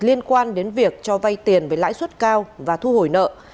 liên quan đến việc cho vay tiền với lãi suất cao và thu hồi nợ